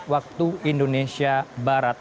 waktu indonesia barat